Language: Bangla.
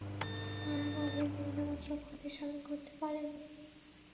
তারা নবীর বিন্দুমাত্র ক্ষতি সাধন করতে পারেনি।